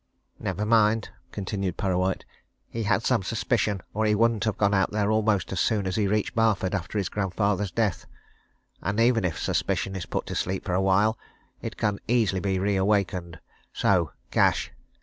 "Never mind," continued Parrawhite. "He had some suspicion or he wouldn't have gone out there almost as soon as he reached Barford after his grandfather's death. And even if suspicion is put to sleep for awhile, it can easily be reawakened, so cash!